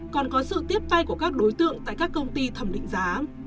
còn có sự tiếp tay của các đối tượng tại các công ty thẩm định giá